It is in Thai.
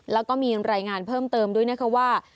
แล้วก็มีรายงานเพิ่มเติมด้วยนะคะว่า